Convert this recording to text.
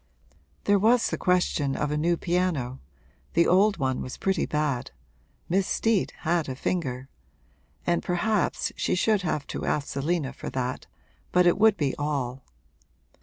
There was the question of a new piano (the old one was pretty bad Miss Steet had a finger!) and perhaps she should have to ask Selina for that but it would be all.